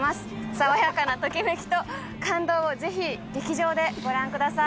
爽やかなときめきと感動をぜひ劇場でご覧ください。